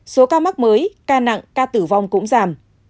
số ca mắc mới ca nặng ca tử vong cũng giảm